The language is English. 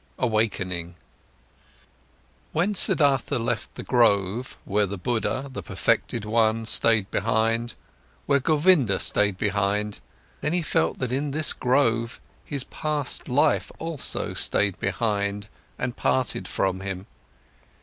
AWAKENING When Siddhartha left the grove, where the Buddha, the perfected one, stayed behind, where Govinda stayed behind, then he felt that in this grove his past life also stayed behind and parted from him.